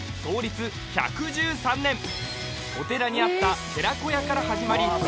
創立１１３年お寺にあった寺子屋から始まり